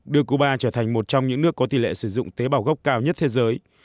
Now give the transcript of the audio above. đưa cuba trở thành một trong những nước có tỷ lệ sử dụng tế bào gốc cao nhất thế giới